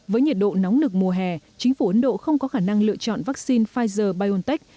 với nhiệt độ nóng nực mùa hè chính phủ ấn độ không có khả năng lựa chọn vaccine pfizer biontech